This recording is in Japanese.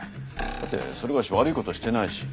だってそれがし悪い事してないし。